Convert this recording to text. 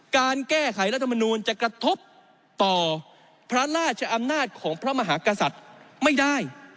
การแก้ไขรัฐมนูลจะกระทบต่อพระราชอำนาจของพระมหากษัตริย์ไม่ได้